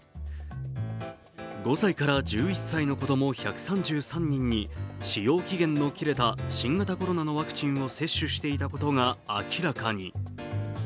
５歳から１１歳の子供１３３人に使用期限の切れた新型コロナのワクチンを接種していたことが明らかに。